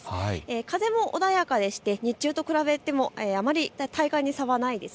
風も穏やかでして日中と比べても体感に差はないです。